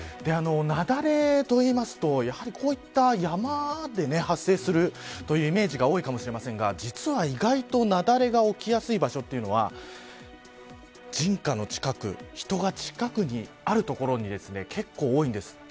雪崩といいますと山で発生するというイメージが多いかもしれませんが実は、意外と雪崩が起きやすい場所というのは人家の近く人が近くにある所に結構多いんです。